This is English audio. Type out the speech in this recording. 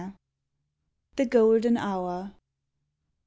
THE GOLDEN HOUR.